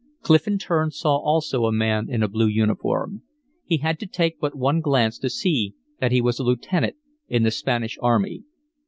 Clif in turn saw also a man in a blue uniform; he had to take but one glance to see that he was a lieutenant in the Spanish army.